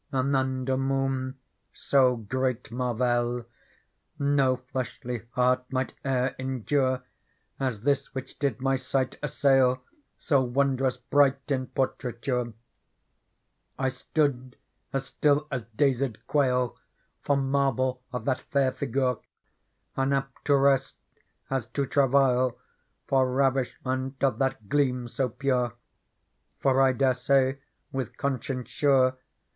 Anunder moon so great mervail No fleshly heart might e*er endure As this which did my sight assail. So wondrous bright in portraiture : I stood as still as daz^d ^ail. For marvel of tlial; lair %ure. Unapt to rest as to travail For ravishment of that gleam so pure : For I dare say, with conscience sure.